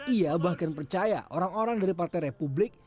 ia bahkan percaya orang orang dari partai republik